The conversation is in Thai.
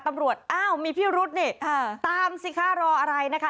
ตำรวจอ้าวมีพิรุษนี่ตามสิคะรออะไรนะคะ